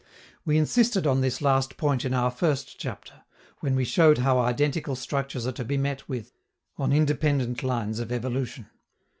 We insisted on this last point in our first chapter, when we showed how identical structures are to be met with on independent lines of evolution.